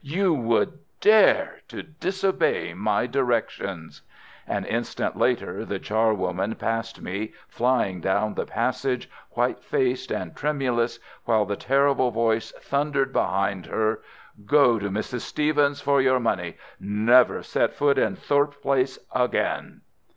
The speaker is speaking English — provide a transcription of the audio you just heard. "You would dare to disobey my directions!" An instant later the charwoman passed me, flying down the passage, white faced and tremulous, while the terrible voice thundered behind her. "Go to Mrs. Stevens for your money! Never set foot in Thorpe Place again!"